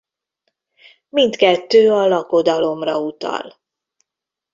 Mindkettő a lakodalomra utal.